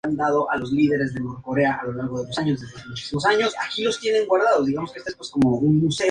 El lago es uno de los más gravemente contaminados en Hanói.